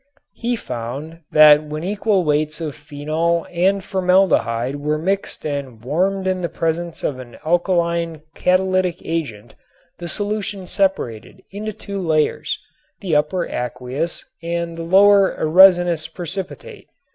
He found that when equal weights of phenol and formaldehyde were mixed and warmed in the presence of an alkaline catalytic agent the solution separated into two layers, the upper aqueous and the lower a resinous precipitate.